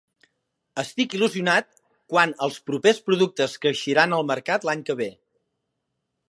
Estic il·lusionat quant als propers productes que eixiran al mercat l'any que ve.